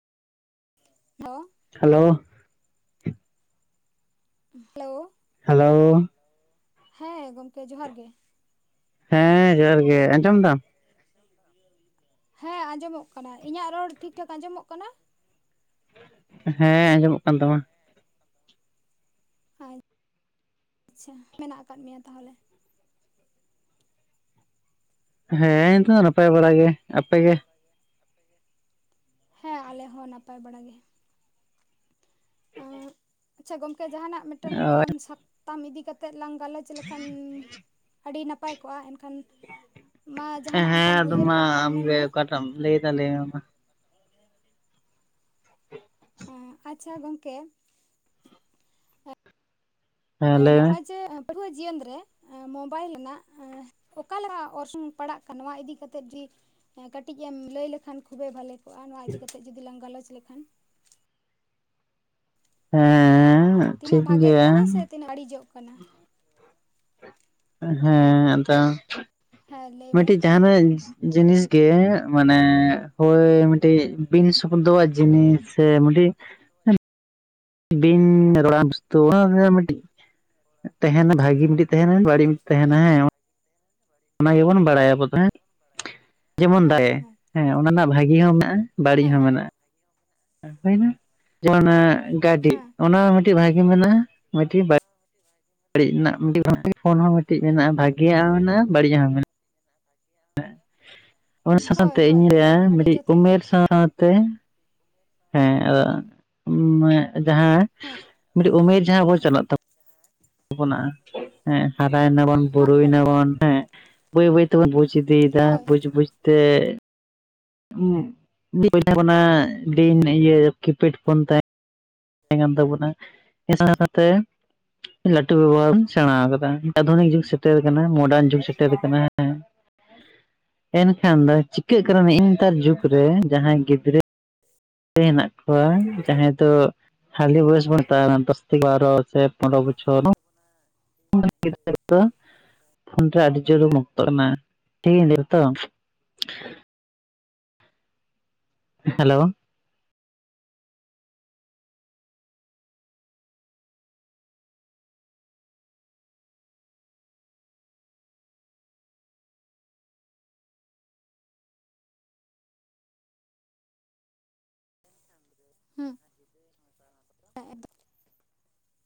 Hello hello hello hello ᱦᱮᱸ ᱜᱚᱝᱠᱮ ᱡᱚᱦᱟᱨ ᱜᱮ ᱾ ᱦᱮᱸ ᱡᱚᱦᱟᱨ ᱜᱮ ᱟᱸᱡᱚᱢ ᱫᱟᱢ? ᱦᱮᱸ ᱟᱸᱡᱚᱢᱚᱜ ᱠᱟᱱᱟ, ᱤᱧᱟᱜ ᱨᱚᱲ ᱴᱷᱤᱠ ᱴᱷᱟᱠ ᱟᱸᱡᱚᱢᱚᱜ ᱠᱟᱱᱟ? ᱦᱮᱸ ᱟᱸᱡᱚᱢᱚᱜ ᱠᱟᱱ ᱛᱟᱢᱟ ᱾ ᱟᱪ ᱪᱷᱟ ᱢᱮᱱᱟᱜ ᱟᱠᱟᱫ ᱢᱮᱭᱟ ᱛᱟᱦᱚᱞᱮ ᱦᱮᱸ ᱱᱤᱛᱚ ᱫᱚ ᱱᱟᱯᱟᱭ ᱵᱟᱲᱟ ᱜᱮ, ᱟᱯᱮ ᱜᱮ? ᱦᱮᱸ ᱟᱞᱮ ᱦᱚᱸ ᱱᱟᱯᱟᱭ ᱵᱟᱲᱟ ᱜᱮ ᱾ ᱟᱪᱪᱷᱟ ᱜᱚᱝᱠᱮ ᱡᱟᱦᱟᱱᱟᱜ ᱢᱤᱫᱴᱮᱱ ᱚᱱᱠᱟᱱ ᱥᱟᱛᱟᱢ ᱤᱫᱤ ᱠᱟᱛᱮᱜ ᱞᱟᱝ ᱜᱟᱞᱚᱪ ᱞᱮᱠᱷᱟᱱ ᱟᱰᱤ ᱱᱟᱯᱟᱭ ᱠᱚᱜᱼᱟ, ᱮᱱᱠᱷᱟᱱ ᱢᱟ ᱡᱟᱦᱟᱱᱟᱜ ᱚᱱᱠᱟᱢ ᱩᱭᱦᱟᱹᱨ ᱟᱠᱟᱫ ᱠᱷᱟᱱ ᱢᱮᱱᱢᱮ ᱫᱟᱢ ᱞᱟᱹᱭ ᱫᱟ ᱞᱟᱹᱭ ᱢᱮ ᱢᱟ ᱦᱚᱲ ᱜᱮᱭᱟ ᱠᱟᱴᱤᱡ ᱦᱩᱸ ᱟᱪᱪᱷᱟ ᱜᱚᱝᱠᱮ ᱦᱮᱸ ᱞᱟᱹᱭ ᱢᱮ ᱱᱚᱜ-ᱚᱭ ᱡᱮ ᱯᱟᱹᱴᱷᱩᱣᱟᱹ ᱡᱤᱭᱚᱱ ᱨᱮ ᱢᱳᱵᱟᱭᱤᱞ ᱨᱮᱱᱟᱜ ᱚᱠᱟ ᱞᱮᱠᱟ ᱚᱨᱥᱚᱝ ᱯᱟᱲᱟᱜ ᱠᱟᱱᱟ, ᱱᱚᱣᱟ ᱤᱫᱤ ᱠᱟᱛᱮᱜ ᱡᱩᱫᱤ ᱠᱟᱴᱤᱡ ᱮᱢ ᱞᱟᱹᱭ ᱞᱮᱠᱷᱟᱱ ᱠᱷᱩᱵᱮᱭ ᱵᱷᱟᱞᱮᱼᱼ ᱠᱚᱜᱼᱟ ᱱᱚᱣᱟ ᱤᱫᱤ ᱠᱟᱛᱮᱜ ᱡᱩᱫᱤ ᱞᱟᱝ ᱜᱟᱞᱚᱪ ᱞᱮᱠᱷᱟᱱ ᱦᱮᱸ ᱛᱤᱱᱟᱹᱜ ᱴᱷᱤᱠ ᱵᱷᱟᱜᱮᱜ ᱜᱮᱭᱟ ᱠᱟᱱᱟ ᱥᱮ ᱛᱤᱱᱟᱹᱜ ᱵᱟᱹᱲᱤᱡᱚᱜ ᱠᱟᱱᱟ? ᱦᱮᱸ ᱟᱫᱚ ᱦᱮᱸ ᱞᱟᱹᱭ ᱢᱮ ᱢᱤᱫᱴᱤᱡ ᱡᱟᱦᱟᱱᱤᱡ ᱡᱤᱱᱤᱥ ᱜᱮ ᱢᱟᱱᱮ ᱦᱳᱭ ᱢᱤᱫᱴᱤᱡ ᱵᱤᱱ ᱥᱚᱵᱫᱚᱣᱟᱜ ᱡᱤᱱᱤᱥ ᱥᱮ ᱢᱤᱫᱴᱤᱡᱼᱼ ᱵᱤᱱ ᱨᱚᱲᱟᱱ [unintelligible] ᱦᱮᱸ ᱢᱤᱴᱤᱡ ᱛᱟᱸᱦᱮᱱᱟ ᱵᱷᱟᱜᱤ ᱢᱤᱫᱴᱤᱡ ᱛᱟᱸᱦᱮᱱᱟ ᱵᱟᱹᱲᱤᱡ ᱢᱤᱫᱴᱤᱡ ᱛᱟᱸᱦᱮᱱᱟ ᱦᱮᱸ [unintelligible] ᱚᱱᱟ ᱜᱮᱵᱚᱱ ᱵᱟᱲᱟᱭᱟ ᱟᱵᱚ ᱫᱚ ᱦᱮᱸᱼᱼ ᱡᱮᱢᱚᱱ ᱫᱟᱨᱮ ᱦᱮᱸ ᱚᱱᱟ ᱨᱮᱱᱟᱜ ᱵᱷᱟᱜᱤ ᱦᱚᱸ ᱢᱮᱱᱟᱜᱼᱟ ᱵᱟᱲᱤᱡ ᱦᱮᱸ ᱦᱚᱸ ᱢᱮᱱᱟᱜᱼᱟ ᱾ ᱚᱠᱟᱭ ᱱᱟ ᱡᱮᱢᱚᱱ ᱚᱱᱮ ᱜᱟᱰᱤ ᱦᱮᱸ ᱚᱱᱟ ᱦᱚᱸ ᱢᱤᱫᱴᱤᱡ ᱵᱷᱟᱜᱤ ᱢᱤᱱᱟᱜ-ᱟ ᱢᱤᱫᱴᱤᱡ ᱵᱟ ᱵᱟᱹᱲᱤᱡ ᱨᱮᱱᱟᱜ ᱢᱤᱫ [inaudible] ᱲᱤᱡ ᱨᱮᱱᱟᱜ ᱠᱷᱳᱱ ᱦᱚᱸ ᱢᱤᱫᱴᱤᱡ ᱢᱮᱱᱟᱜᱼᱟ ᱵᱷᱟᱜᱤᱭᱟᱜ ᱦᱚᱸ ᱢᱮᱱᱟᱜᱼᱟ ᱵᱟᱲᱤᱡᱟᱜ ᱦᱚᱸ ᱢᱮᱱᱟᱜᱼᱟ ᱾ ᱵᱷᱟᱜᱤᱭᱟᱜ ᱦᱚ ᱢᱮᱱᱟᱜᱼᱟ ᱚᱱᱟ ᱥᱟᱶᱛᱮ ᱤᱧᱨᱮ ᱟᱹᱰᱤ ᱢᱤᱫᱴᱤᱡ ᱡᱚᱛᱷᱟᱛ ᱩᱢᱮᱨ ᱠᱟᱛᱷᱟ ᱥᱟᱶᱛᱮᱼᱼ ᱦᱮᱸ ᱟᱫᱚ ᱡᱟᱦᱟᱸ ᱢᱤᱫᱴᱮᱱ ᱩᱢᱮᱨ ᱡᱟᱦᱟᱸ ᱵᱚ ᱪᱟᱞᱟᱜᱼᱼ ᱛᱟᱵᱚᱱᱟ ᱦᱮᱸ ᱦᱟᱨᱟᱭ ᱱᱟᱵᱚᱱ ᱦᱳᱭ ᱵᱩᱨᱩᱭ ᱦᱳᱭ ᱱᱟᱵᱚᱱ ᱦᱮᱸ ᱵᱟᱹᱭ ᱵᱟᱹᱭ ᱛᱮᱵᱚᱱ ᱵᱩᱡ ᱤᱫᱤᱭᱼᱼ ᱮ ᱦᱳᱭ ᱦᱳᱭ ᱵᱩᱡᱽ ᱵᱩᱡᱽ ᱛᱮᱼᱼ ᱩ ᱵᱚᱱᱟ ᱫᱤᱱ ᱤᱭᱟᱹ ᱠᱤᱯᱮᱰ ᱯᱷᱳᱱ ᱛᱮᱼᱼ ᱛᱟᱦᱮᱸ ᱠᱟᱱ ᱛᱟᱵᱚᱱᱟ ᱤᱱᱟᱹ ᱥᱟᱶ ᱥᱟᱶᱛᱮᱼᱼ ᱞᱟᱹᱴᱩ ᱵᱮᱵᱚᱦᱟᱨ ᱵᱚᱱ ᱥᱮᱬᱟ ᱠᱟᱫᱟ ᱟᱫᱷᱩᱱᱤᱠ ᱡᱩᱜᱽ ᱥᱮᱴᱮᱨ ᱠᱟᱱᱟ ᱢᱚᱰᱟᱨᱱ ᱡᱩᱜᱽ ᱥᱮᱴᱮᱨ ᱠᱟᱱᱟ ᱮᱸᱼᱼ [inaudible] ᱮᱱᱠᱷᱟᱱ ᱫᱚ ᱪᱤᱠᱟᱹᱜ ᱠᱟᱱᱟ ᱱᱮᱜ ᱱᱮᱛᱟᱨ ᱡᱩᱜᱽ ᱨᱮ ᱡᱟᱦᱟᱭ ᱜᱤᱫᱽᱨᱟᱹᱼᱼ ᱵᱟᱜᱤ ᱦᱮᱱᱟᱜ ᱠᱚᱣᱟ ᱡᱟᱦᱟᱸᱭ ᱫᱚᱼᱼ ᱦᱟᱞᱤ ᱵᱚᱭᱮᱥ ᱵᱚᱱ ᱛᱟᱦᱮ ᱫᱚᱥ ᱛᱮ ᱵᱟᱨ ᱥᱮ ᱯᱚᱱᱨᱚ ᱵᱚᱪᱷᱚᱨᱼᱼ ᱦᱮᱸ [unintelligible] ᱟᱢ ᱴᱷᱮᱱ ᱟᱹᱰᱤ ᱡᱳᱨ ᱢᱩᱠᱛᱚ ᱱᱟ ᱴᱷᱤᱠ ᱤᱧ ᱞᱟᱹᱭ ᱛᱚ ᱾ ᱦᱮᱞᱳ ᱾ ᱦᱩᱸ ᱮᱜ ᱾